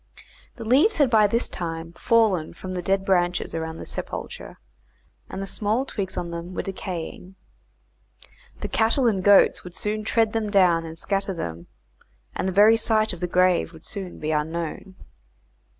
The leaves had by this time fallen from the dead branches around the sepulchre, and the small twigs on them were decaying. The cattle and goats would soon tread them down and scatter them, and the very site of the grave would soon be unknown.